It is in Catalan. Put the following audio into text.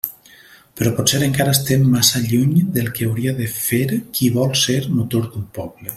Però potser encara estem massa lluny del que hauria de fer qui vol ser motor d'un poble.